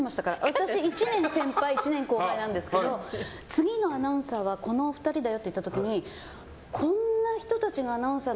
私、１年先輩１年後輩なんですけど次のアナウンサーはこの２人だよって言った時にこんな人たちがアナウンサー。